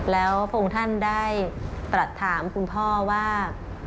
แล้วพระองค์ท่านได้ตรัสถามคุณพ่อว่า